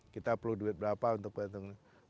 kita perlu duit berapa untuk keuntungan